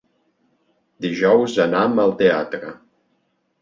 Dijous anam al teatre.